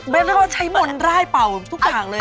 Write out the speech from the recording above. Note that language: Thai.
ไม่ว่าใช้มณ์ไล่เปล่าทุกทางเลย